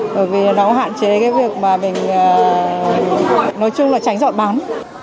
bởi vì nó hạn chế cái việc mà mình nói chung là tránh giọt bắn